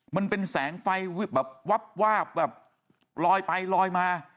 มันเป็นแสงไฟแบบวับวาบแบบลอยไปลอยมา